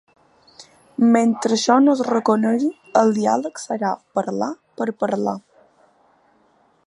Mentre això no es reconegui, el diàleg serà parlar per parlar.